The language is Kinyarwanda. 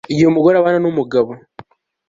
igihe umugore abana n'umugabo